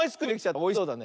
おいしそうだね。